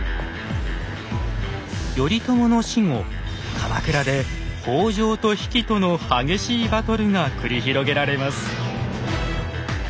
頼朝の死後鎌倉で北条と比企との激しいバトルが繰り広げられます。